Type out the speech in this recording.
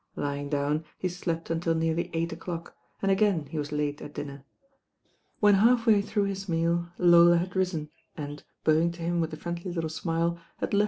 Lying down he skpt S nearly eight o'clock, and again he was late at'^W men half way through his meal Lola had risen and bowing to him with a friendly little smile, had lefi S!